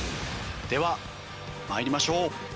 では参りましょう。